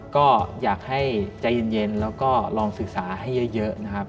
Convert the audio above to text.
ก็อยากให้ใจเย็นแล้วก็ลองศึกษาให้เยอะนะครับ